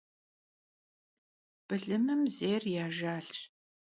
Bılımım zêyr yi ajjalş.